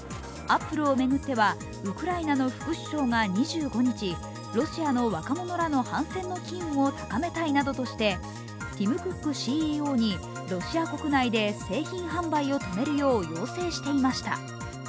Ａｐｐｌｅを巡ってはウクライナの副首相が２５日、ロシアの若者らの反戦の気運を高めたいなどとしてティム・クックＣＥＯにロシア国内で製品販売を止めるよう要請していました。